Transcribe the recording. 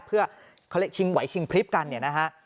เพื่อเขาเรียกว่าชิงไหวชิงพริบกัน